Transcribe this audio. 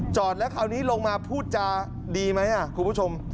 จอดแล้วคราวนี้ลงมาพูดจาดีไหมคุณผู้ชม